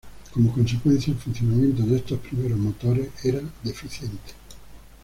Como consecuencia el funcionamiento de estos primeros motores era deficiente.